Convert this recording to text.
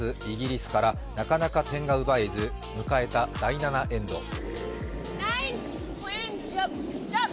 イギリスからなかなか点が奪えず迎えた第７エンド。